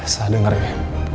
saya dengar ya